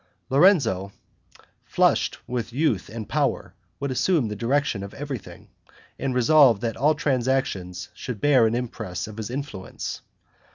Lorenzo, flushed with youth and power, would assume the direction of everything, and resolved that all transactions should bear an impress of his influence.